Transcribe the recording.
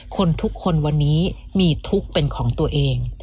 คนทุกคนวันนี้มีทุกข์เป็นของตัวเอง